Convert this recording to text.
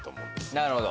なるほど。